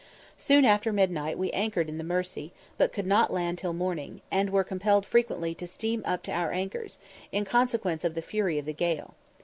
Soon after midnight we anchored in the Mersey, but could not land till morning, and were compelled frequently to steam up to our anchors, in consequence of the fury of the gale.